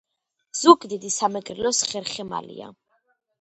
ზუგდიდი სამეგრელოს ხერხემალია